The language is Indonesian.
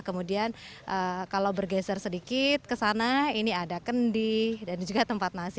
kemudian kalau bergeser sedikit ke sana ini ada kendi dan juga tempat nasi